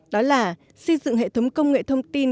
đó là xây dựng hệ thống công nghệ thông tin